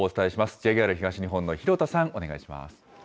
ＪＲ東日本の弘田さん、お願いします。